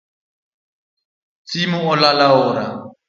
Simu olal aora